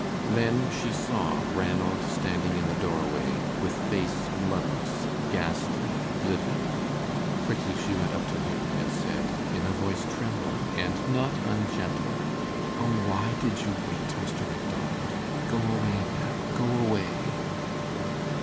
Then she saw Ranald standing in the doorway, with face bloodless, ghastly, livid. Quickly she went up to him, and said, in a voice trembling and not ungentle: "Oh, why did you wait, Mr. Macdonald; go away now, go away."